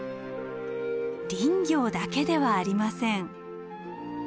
林業だけではありません。